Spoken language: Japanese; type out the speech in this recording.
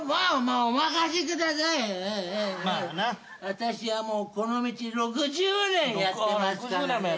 私はもうこの道６０年やってますからね。